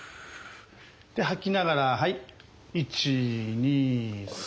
吐きながらはい１２３。